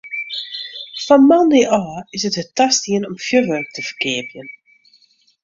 Fan moandei ôf is it wer tastien om fjurwurk te ferkeapjen.